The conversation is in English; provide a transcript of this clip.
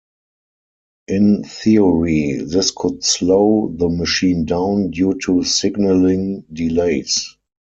In theory, this could slow the machine down due to signalling delays.